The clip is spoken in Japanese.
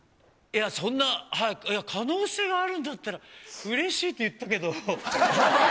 いや、そんな、いや、可能性があるんだったら、うれしいって言ったけど。